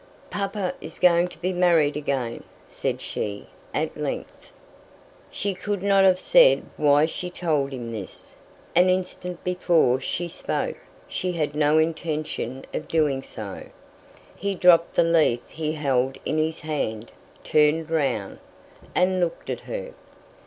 "Papa is going to be married again," said she, at length. She could not have said why she told him this; an instant before she spoke, she had no intention of doing so. He dropped the leaf he held in his hand, turned round, and looked at her.